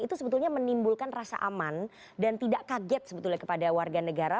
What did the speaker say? itu sebetulnya menimbulkan rasa aman dan tidak kaget sebetulnya kepada warga negara